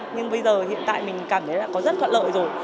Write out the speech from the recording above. nhưng bây giờ hiện tại mình cảm thấy là có rất thuận lợi rồi